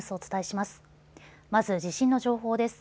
まず地震の情報です。